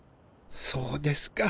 そうですか。